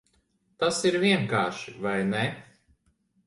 Tas ir vienkārši, vai ne?